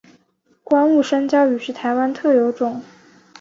观雾山椒鱼是台湾特有种。